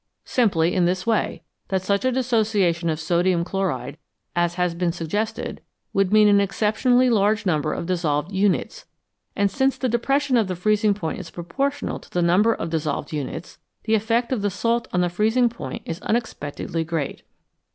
Simply in this way, that such a dissociation of sodium chloride as has been suggested would mean an excep tionally large number of dissolved units, and since the depression of the freezing point is proportional to the number of dissolved units, the effect of the salt on the freezing point is unexpectedly great.